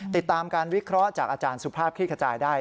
ติดตามการวิเคราะห์จากอาจารย์สุภาพคลี่ขจายได้